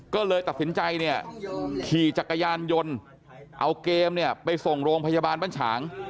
ก็เลยตัดสินใจขี่จักรยานยนต์เอาเกมไปส่งโรงพยาบาลบั้นฉาง